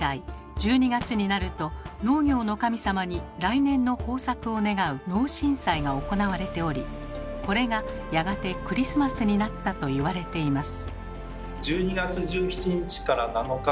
１２月になると農業の神様に来年の豊作を願う「農神祭」が行われておりこれがやがてクリスマスになったと言われています。